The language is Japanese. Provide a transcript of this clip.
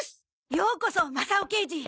ようこそマサオ刑児。